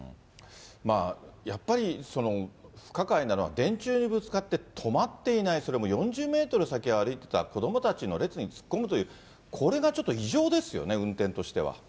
やっぱりその不可解なのは、電柱にぶつかって止まっていない、それも４０メートル先を歩いてた子どもたちの列に突っ込むという、これがちょっと異常ですよね、運転としては。